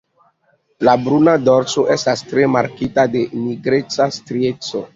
La bruna dorso estas tre markita de nigreca strieco.